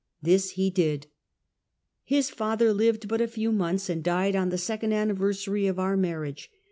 This he did. His father lived but. a few months, and died on the second anni versary of our marriage.